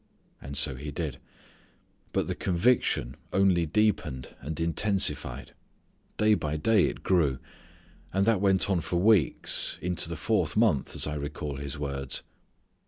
And so he did. But the conviction only deepened and intensified. Day by day it grew. And that went on for weeks, into the fourth month as I recall his words.